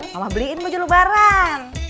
mama beliin baju lebaran